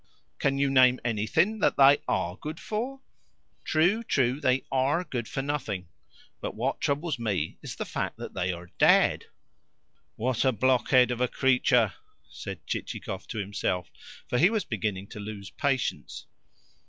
Can you name anything that they ARE good for?" "True, true they ARE good for nothing. But what troubles me is the fact that they are dead." "What a blockhead of a creature!" said Chichikov to himself, for he was beginning to lose patience.